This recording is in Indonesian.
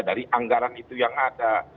dari anggaran itu yang ada